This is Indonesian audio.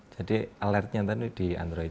jadi alertnya tadi di android